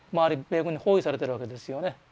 米軍に包囲されてるわけですよね。